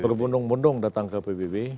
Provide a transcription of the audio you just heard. berbundung bundung datang ke pbb